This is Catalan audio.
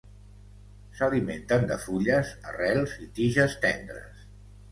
S'alimenten de fulles, arrels i tiges tendres.